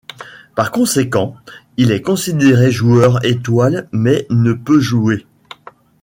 Par conséquent, il est considéré joueur étoile mais ne peut jouer.